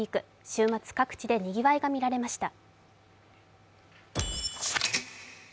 週末各地でにぎわいが見られました。